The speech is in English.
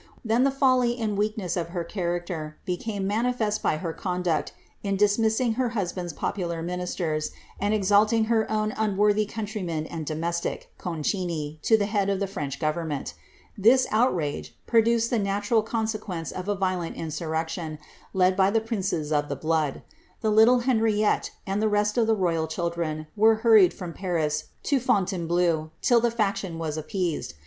Then the folly and weakness of her character became manifest by her conduct in dismissing her husband's popular ministers, and exalting her own un wcnrthy conntryman and domestic, Concini, to the head of the French government This outrage product the natural consequence of a vio lent insurrection, led by the princes of the blood ; the little Henriette and the rest of the royal children were hurried from Paris to Fontain bleau, till the fiiction was appeased.'